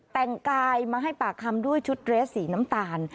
แต่งกายมาให้ปากคำด้วยชุดเรสสีน้ำตาล